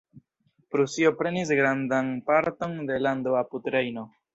Prusio prenis grandan parton de lando apud Rejno.